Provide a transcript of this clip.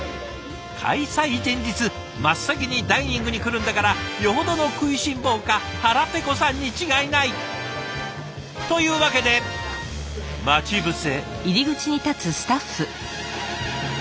開催前日真っ先にダイニングに来るんだからよほどの食いしん坊か腹ペコさんに違いない！というわけで待ち伏せ。